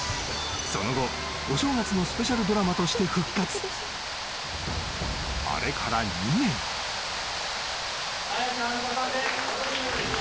その後お正月のスペシャルドラマとして復活・綾瀬はるかさんです